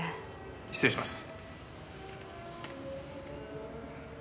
失礼します。